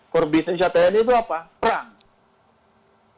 core business nya tni itu apa perang